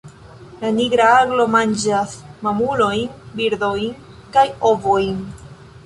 La Nigra aglo manĝas mamulojn, birdojn kaj ovojn.